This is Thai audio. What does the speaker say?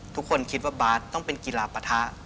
ทุกคนคิดว่าบาทต้องเป็นกีฬาปะทะ